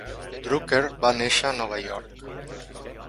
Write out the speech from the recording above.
Drucker va néixer a Nova York.